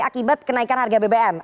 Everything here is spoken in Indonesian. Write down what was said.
akibat kenaikan harga bbm